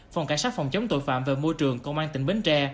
phòng cảnh sát phòng chống tội phạm về môi trường công an tỉnh bến tre